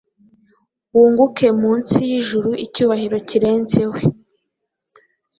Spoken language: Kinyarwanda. Wunguke munsi yijuruicyubahiro kirenze we